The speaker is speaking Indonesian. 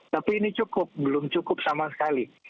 tapi ini cukup belum cukup sama sekali